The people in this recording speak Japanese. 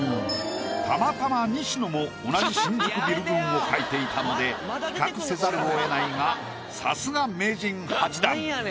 たまたま西野も描いていたので比較せざるをえないがさすが名人８段。